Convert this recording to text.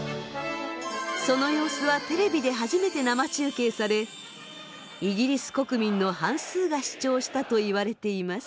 その様子はテレビで初めて生中継されイギリス国民の半数が視聴したといわれています。